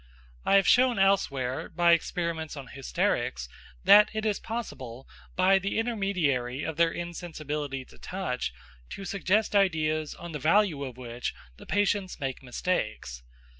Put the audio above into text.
I have shown elsewhere, by experiments on hysterics, that it is possible by the intermediary of their insensibility to touch to suggest ideas on the value of which the patients make mistakes.